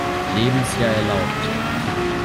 Lebensjahr erlaubt.